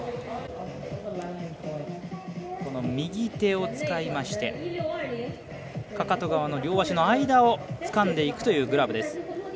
右手を使いましてかかと側の両足の間をつかんでいくというグラブです。